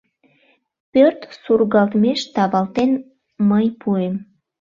Пӧрт сургалтмеш тавалтен мый пуэм.